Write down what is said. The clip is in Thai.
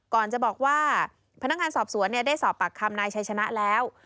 ก่อนจะบอกว่าพนักงานสอบสวนได้สอบปากคำนายชัยชนะแล้ว